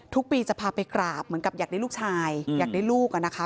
ทุกปีจะพาไปกราบเหมือนกับอยากได้ลูกชาย